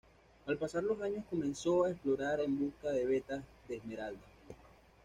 Al pasar los años comenzó a explorar en busca de vetas de esmeralda.